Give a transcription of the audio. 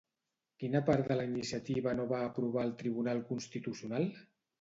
Quina part de la iniciativa no va aprovar el tribunal constitucional?